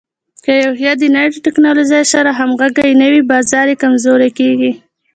که یو هېواد د نوې ټکنالوژۍ سره همغږی نه وي، بازار یې کمزوری کېږي.